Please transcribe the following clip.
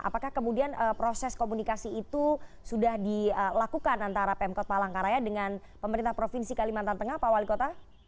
apakah kemudian proses komunikasi itu sudah dilakukan antara pemkot palangkaraya dengan pemerintah provinsi kalimantan tengah pak wali kota